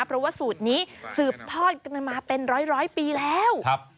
เพราะว่าสูตรนี้สืบทอดกันมาเป็นร้อยปีแล้ว